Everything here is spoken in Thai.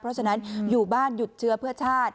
เพราะฉะนั้นอยู่บ้านหยุดเชื้อเพื่อชาติ